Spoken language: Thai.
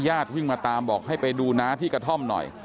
วิ่งมาตามบอกให้ไปดูน้าที่กระท่อมหน่อย